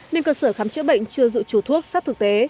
nên cơ sở khám chữa bệnh chưa dự trù thuốc sát thực tế